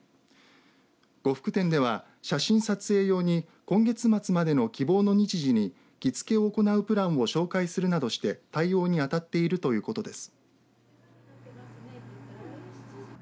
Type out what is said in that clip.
呉服店では写真撮影用に今月末までの希望の日時に着つけを行うプランを紹介するなどして対応にあたっているということです。